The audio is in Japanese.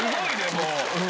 もう。